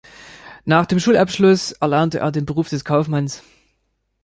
Nach dem Schulabschluss erlernte er den Beruf des Kaufmanns.